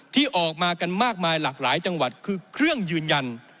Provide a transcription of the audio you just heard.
ที่ออกมากันมากมายหลากหลายจังหวัดคือเครื่องยืนยัน